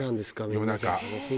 夜中。